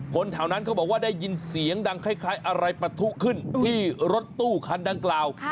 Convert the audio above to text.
แถวนั้นเขาบอกว่าได้ยินเสียงดังคล้ายอะไรปะทุขึ้นที่รถตู้คันดังกล่าว